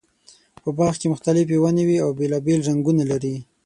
په باغ کې مختلفې ونې وي او بېلابېل رنګونه لري.